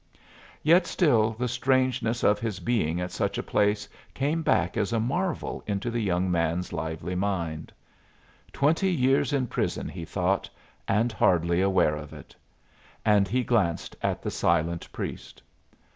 Yet still the strangeness of his being at such a place came back as a marvel into the young man's lively mind. Twenty years in prison, he thought, and hardly aware of it! And he glanced at the silent priest.